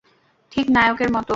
ঠিক নায়কের মতো।